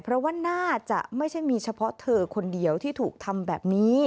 เพราะว่าน่าจะไม่ใช่มีเฉพาะเธอคนเดียวที่ถูกทำแบบนี้